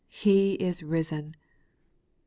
He is risen !